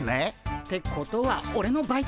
ってことはオレのバイト先も！